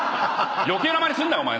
余計なまねするなよお前。